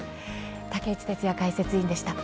竹内哲哉解説委員でした。